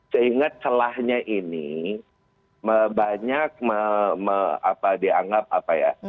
sehingga celahnya ini banyak dianggap apa ya